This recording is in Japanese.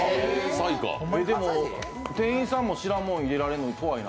でも、店員さんも知らんもん入れられるの怖いな。